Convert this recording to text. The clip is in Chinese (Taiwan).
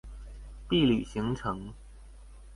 畢旅行程